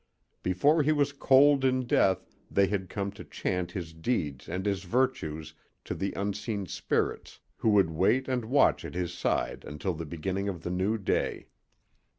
Before he was cold in death they had come to chant his deeds and his virtues to the unseen spirits who would wait and watch at his side until the beginning of the new day.